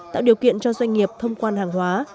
tạo điều kiện cho doanh nghiệp thông quan hàng hóa